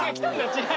違う！